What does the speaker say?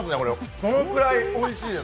そのくらいおいしいです。